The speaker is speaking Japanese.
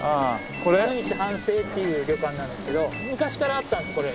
おのみち帆聲っていう旅館なんですけど昔からあったんですこれ。